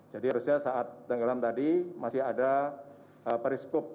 harusnya saat tenggelam tadi masih ada periskop